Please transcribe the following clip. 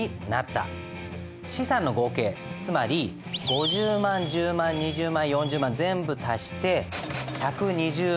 資産の合計つまり５０万１０万２０万４０万全部足して１２０万。